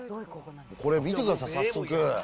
これ見てください、早速。